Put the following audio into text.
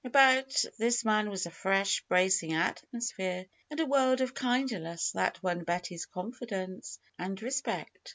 x\bout this man was a fresh, bracing atmosphere and a world of kindliness that won Betty's confidence and respect.